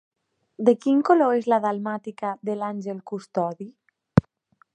De quin color és la dalmàtica de l'àngel custodi?